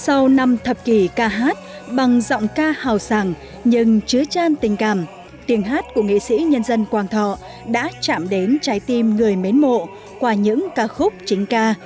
sau năm thập kỷ ca hát bằng giọng ca hào sàng nhưng chứa tràn tình cảm tiếng hát của nghệ sĩ nhân dân quang thọ đã chạm đến trái tim người mến mộ qua những ca khúc chính ca